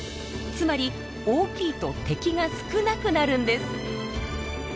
つまり大きいと敵が少なくなるんです。